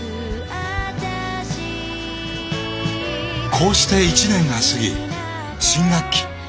こうして１年が過ぎ新学期。